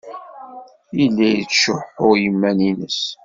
Yella yettcuḥḥu i yiman-nnes.